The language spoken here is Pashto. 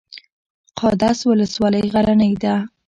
قادس ولسوالۍ غرنۍ ده؟